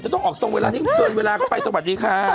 ต้องออกตรงเวลานี้เกินเวลาเข้าไปสวัสดีค่ะ